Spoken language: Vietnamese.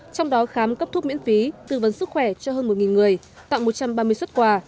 trong đó khám cấp thuốc miễn phí tư vấn sức khỏe cho hơn một người tặng một trăm ba mươi xuất quà